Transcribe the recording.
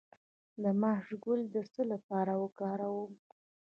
د ماش ګل د څه لپاره وکاروم؟